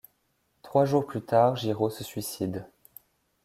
Trois jours plus tard, Girod se suicide.